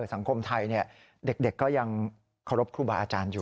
สังคมไทยเด็กก็ยังเคารพครูบาอาจารย์อยู่